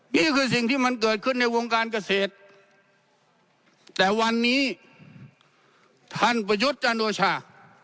นี่คือสิ่งที่มันเกิดขึ้นในวงการเกษตรแต่วันนี้ท่านประยุทธ์จันโอชา